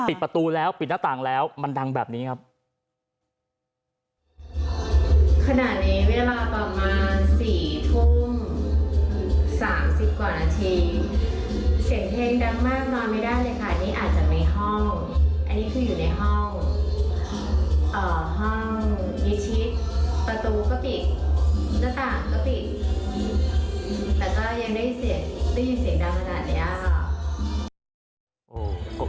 ปิดประตูแล้วปิดหน้าต่างแล้วมันดังแบบนี้ครับ